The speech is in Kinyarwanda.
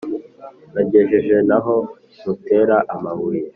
nagejeje n'aho ngutera amabuye